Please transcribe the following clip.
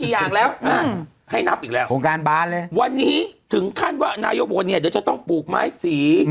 อย่างแล้วให้นับอีกแล้วโครงการบานเลยวันนี้ถึงขั้นว่านายกบนเนี่ยเดี๋ยวจะต้องปลูกไม้สี